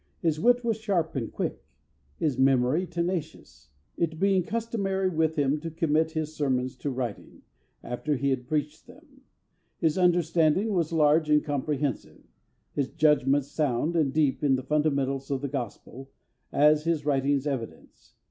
His wit was sharp and quick; his memory tenacious; it being customary with him to commit his sermons to writing, after he had preached them. His understanding was large and comprehensive; his judgments sound and deep in the fundamentals of the Gospel, as his writings evidence.